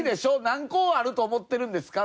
「何校あると思ってるんですか？」